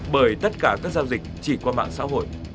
bởi tất cả các giao dịch chỉ qua mạng xã hội